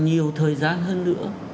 nhiều thời gian hơn nữa